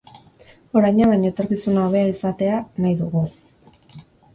Oraina baino etorkizun hobea izatea nahi dugu.